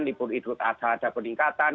libur idul adha ada peningkatan